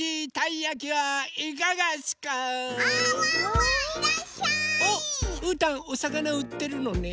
おっうーたんおさかなうってるのね。